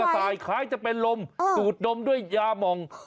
ใส่คล้ายจะเป็นลมสูดดมด้วยยามอง